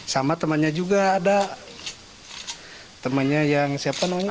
sama temannya juga ada temannya yang siapa namanya